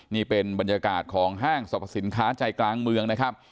นี่เป็นบรรยากาศของห้างสรรพสินค้าใจกลางเมืองนะครับ